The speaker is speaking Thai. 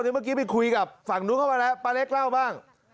เมื่อกี้ไปคุยกับฝั่งนู้นเข้ามาแล้วป้าเล็กเล่าบ้าง